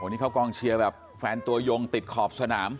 นี่เข้ากองเชียร์แบบแฟนตัวยงติดขอบสนาม